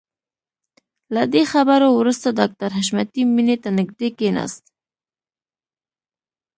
له دې خبرو وروسته ډاکټر حشمتي مينې ته نږدې کښېناست.